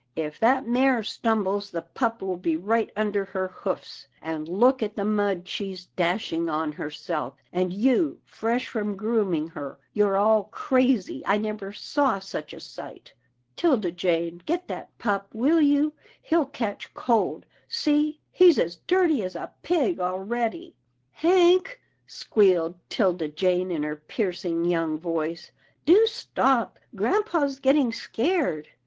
"If that mare stumbles, the pup will be right under her hoofs — and look at the mud she's dashing on herself, and you fresh from grooming her. You're all crazy — I never saw such PERLETTA'S PETS 219 a sight — 'Tilda Jane, get that pup, will you ? He'll catch cold — see, he's as dirty as a pig already." " Hank," squealed 'Tilda Jane in her piercing, young voice, " do stop, grampa's getting scared."